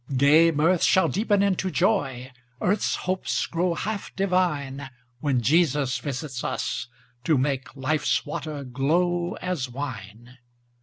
Gay mirth shall deepen into joy, Earth's hopes grow half divine, When Jesus visits us, to make Life's water glow as wine.